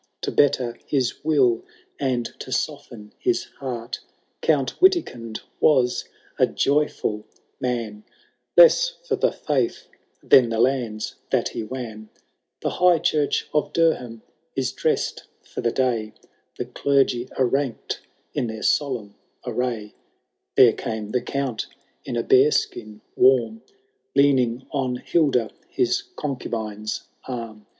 To better his will, and to soften his heart : Count Witikind was a joyful man. Less for the faith than the lands that he wan. »» 122 HAROLD THS DAUNTLKSfl. CantO /. The high church of Durham is dressM for the day. The clei^ are rankM in their Bolemn amy : There came the Count, in a bear skin warm. Leaning on Hilda his concubine^s ann.